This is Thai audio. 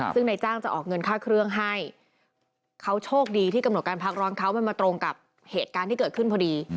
ซึ่งนายจ้างจะออกเงินค่าเครื่องให้เขาโชคดีที่กำหนดการพักร้อนเขามันมาตรงกับเหตุการณ์ที่เกิดขึ้นพอดี